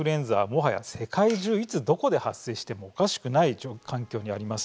もはや世界中いつどこで発生してもおかしくない環境にあります。